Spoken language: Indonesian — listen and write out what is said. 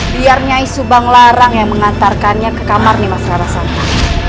biarnya isu banglarang yang mengantarkannya ke kamar nimas rarasanta